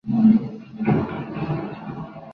Las hojas se dividen en forma de grandes abanicos.